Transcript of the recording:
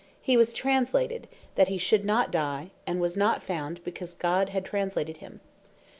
"He was translated, that he should not die; and was not found, because God had translated him.